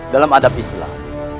dalam adab islam